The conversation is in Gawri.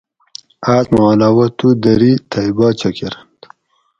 آس ما علاوہ تو دری تھئ باۤچاۤ کۤرنت